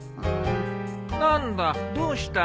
何だどうした？